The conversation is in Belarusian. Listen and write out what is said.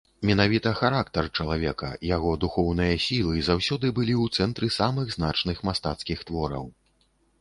Менавіта характар чалавека, яго духоўныя сілы заўсёды былі ў цэнтры самых значных мастацкіх твораў.